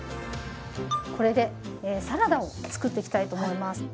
これでサラダを作っていきたいと思います